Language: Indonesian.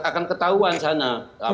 akan ketahuan sana